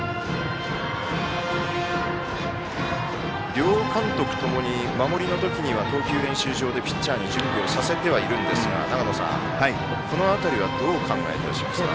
両監督ともに守りの時には投球練習場でピッチャーに準備をさせているんですが長野さん、この辺りはどう考えてますか？